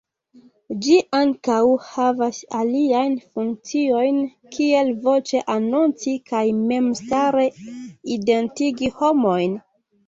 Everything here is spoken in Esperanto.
Ĝi ankaŭ havas aliajn funkciojn, kiel voĉe anonci kaj memstare identigi homojn.